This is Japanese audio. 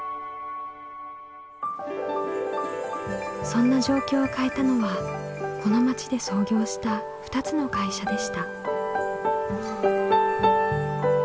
そんな状況を変えたのはこの町で創業した２つの会社でした。